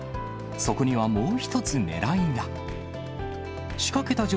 そこにはもう一つねらいが。